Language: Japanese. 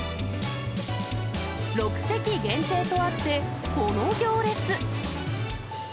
６席限定とあって、この行列。